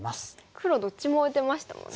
黒どっちも打てましたもんね。